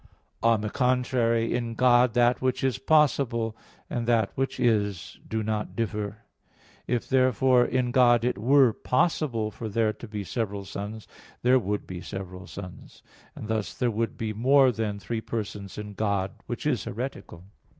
On the contrary, In God "that which is possible," and "that which is" do not differ. If, therefore, in God it were possible for there to be several Sons, there would be several Sons. And thus there would be more than three Persons in God; which is heretical.